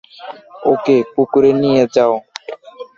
ওকে পুকুরে নিয়ে যাও।